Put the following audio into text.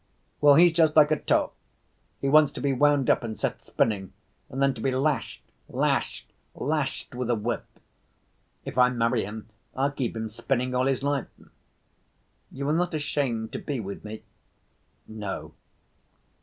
"Well, he's just like a top: he wants to be wound up and set spinning and then to be lashed, lashed, lashed with a whip. If I marry him, I'll keep him spinning all his life. You are not ashamed to be with me?" "No."